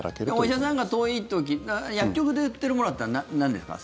お医者さんが遠い時薬局で売ってるものだったらなんですか？